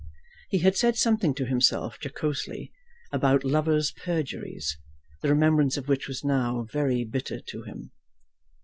He had said something to himself jocosely about lovers' perjuries, the remembrance of which was now very bitter to him.